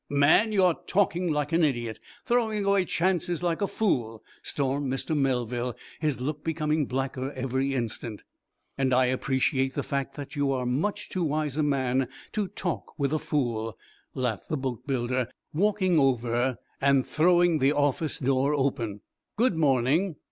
"Man, you are talking like an idiot! Throwing away chances like a fool!" stormed Mr. Melville, his look becoming blacker every instant. "And I appreciate the fact that you are much too wise a man to talk with a fool," laughed the boatbuilder, walking over and throwing the office door open. "Good morning!